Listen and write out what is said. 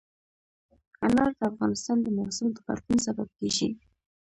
انار د افغانستان د موسم د بدلون سبب کېږي.